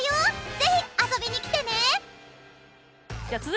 ぜひ遊びに来てね！